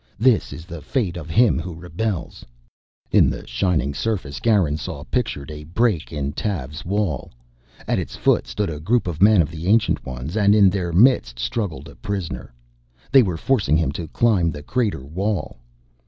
"This is the fate of him who rebels " In the shining surface Garin saw pictured a break in Tav's wall. At its foot stood a group of men of the Ancient Ones, and in their midst struggled a prisoner. They were forcing him to climb the crater wall.